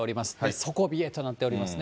底冷えとなっておりますね。